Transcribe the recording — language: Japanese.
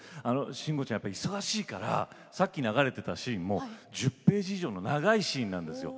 慎吾ちゃん、忙しいですからさっき流れてたシーンも１０ページ以上の長いシーンなんですよ。